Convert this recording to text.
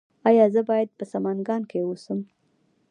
ایا زه باید په سمنګان کې اوسم؟